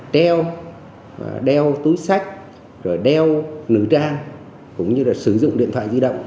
đeo túi sách rồi đeo nữ trang cũng như là sử dụng điện thoại di động